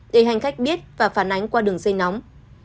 để hành khách biết và phản ánh qua đường dây nóng